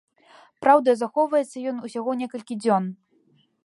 Праўда, захоўваецца ён ўсяго некалькі дзён.